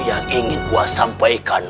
yang ingin kuasampaikan